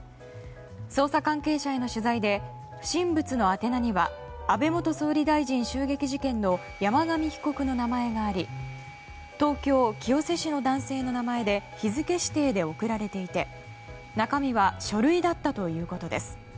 捜査関係者への取材で不審物の宛名には安倍元総理大臣襲撃事件の山上被告の名前があり東京・清瀬市の男性の名前で日付指定で送られていて中身は書類だったということです。